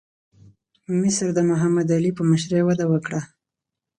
مصر د محمد علي په مشرۍ وده وکړه.